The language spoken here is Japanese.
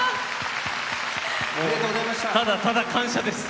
ただただ感謝です。